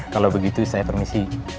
kalau begitu saya permisi